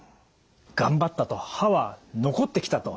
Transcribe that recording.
頑張ったと歯は残ってきたと。